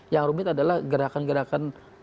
yang rumit adalah gerakan gerakan